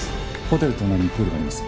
ホテル隣にプールがあります。